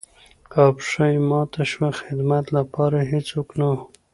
او پښه يې ماته شوه ،خدمت لپاره يې هېڅوک نه وو.